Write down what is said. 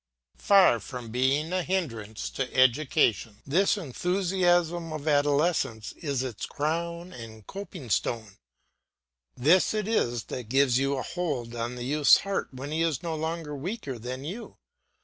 Far from being a hindrance to education, this enthusiasm of adolescence is its crown and coping stone; this it is that gives you a hold on the youth's heart when he is no longer weaker than you.